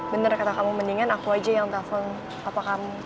bener kata kamu mendingan aku aja yang telpon apa kamu